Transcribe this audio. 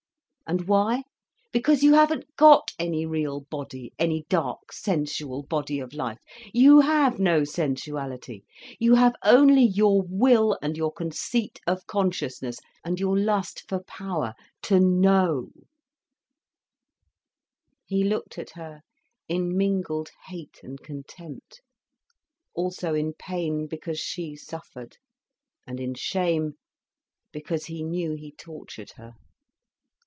And why? Because you haven't got any real body, any dark sensual body of life. You have no sensuality. You have only your will and your conceit of consciousness, and your lust for power, to know." He looked at her in mingled hate and contempt, also in pain because she suffered, and in shame because he knew he tortured her.